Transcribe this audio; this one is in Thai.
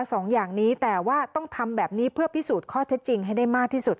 สองอย่างนี้แต่ว่าต้องทำแบบนี้เพื่อพิสูจน์ข้อเท็จจริงให้ได้มากที่สุด